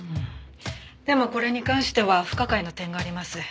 でもこれに関しては不可解な点があります。